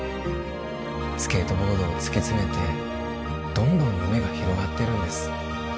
スケートボードを突き詰めてどんどん夢が広がってるんです